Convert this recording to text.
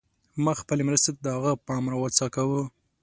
ما خپلې مرستې ته د هغه پام راوڅکاوه.